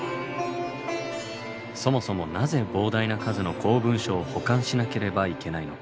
そもそもなぜ膨大な数の公文書を保管しなければいけないのか。